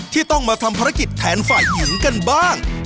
ที่ต้องมาทำภารกิจแทนฝ่ายหญิงกันบ้าง